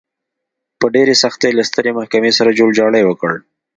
په ډېرې سختۍ له سترې محکمې سره جوړجاړی وکړ.